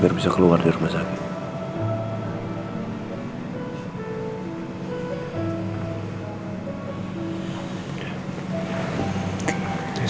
biar bisa keluar di rumah sakit